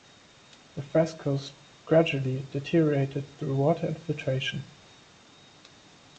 The frescoes gradually deteriorated through water infiltration.